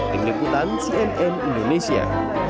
dikikutan cnn indonesia